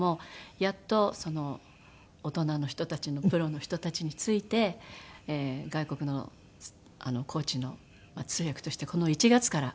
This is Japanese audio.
やっと大人の人たちのプロの人たちに付いて外国のコーチの通訳としてこの１月から。